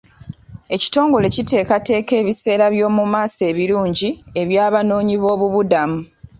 Ekitongole kiteekateeka ebiseera by'omu maaso ebirungi eby'abanoonyiboobubudamu.